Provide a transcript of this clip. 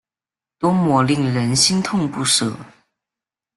多么令人心痛不舍